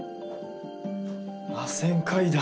らせん階段。